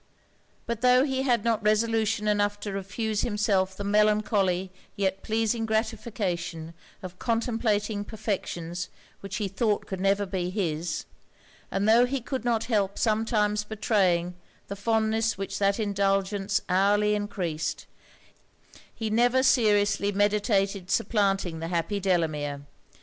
But tho' he had not resolution enough to refuse himself the melancholy yet pleasing gratification of contemplating perfections which he thought could never be his, and tho' he could not help sometimes betraying the fondness which that indulgence hourly encreased, he never seriously meditated supplanting the happy Delamere.